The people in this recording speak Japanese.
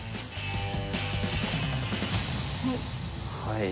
はい。